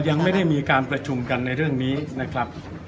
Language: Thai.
ยังไม่ได้มีการประชุมกันในเรื่องนี้นะครับ